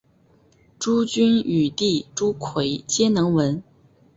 朱筠与弟朱圭皆能文。